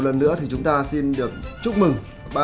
một lần nữa chúng ta xin được chúc mừng